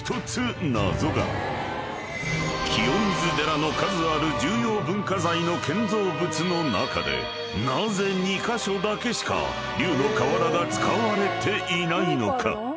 ［清水寺の数ある重要文化財の建造物の中でなぜ２カ所だけしか龍の瓦が使われていないのか］